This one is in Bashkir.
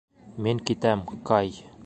Мин китәм, Кай.